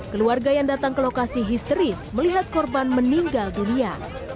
keluarga yang datang ke lokasi histeris melihat korban meninggal dunia